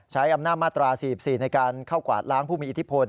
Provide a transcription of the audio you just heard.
ใช้อำนาจมาตรา๔๔ในการเข้ากวาดล้างผู้มีอิทธิพล